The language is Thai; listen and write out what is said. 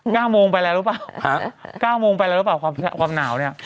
เก้าโมงไปแล้วหรือเปล่าฮะเก้าโมงไปแล้วหรือเปล่าความความหนาวเนี้ย